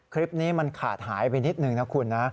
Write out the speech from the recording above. คลิปนี้มันขาดหายไปนิดนึงนะคุณนะ